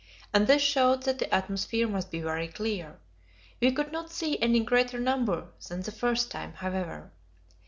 and this showed that the atmosphere must be very clear. We could not see any greater number than the first time, however.